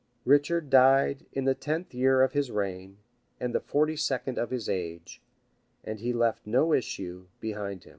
Richard died in the tenth year of his reign, and the forty second of his age; and he left no issue behind him.